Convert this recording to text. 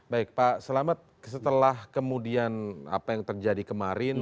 baik pak selamat setelah kemudian apa yang terjadi kemarin